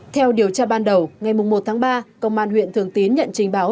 theo điều tra ban đầu ngày một tháng ba công an huyện thường tín nhận trình báo